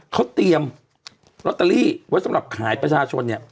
เขาเตรียมสำหรับขายประชาชนเนี้ย